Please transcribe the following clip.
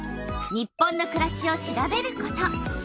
「日本のくらし」を調べること。